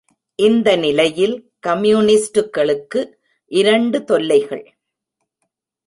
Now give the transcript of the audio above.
இந்த நிலையில் கம்யூனிஸ்டுகளுக்கு இரண்டு தொல்லைகள்.